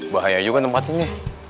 bahaya juga tempat ini